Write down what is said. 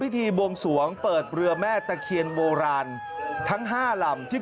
พิธีบวงสวงเปิดเรือแม่ตะเคียนโบราณทั้ง๕ลำที่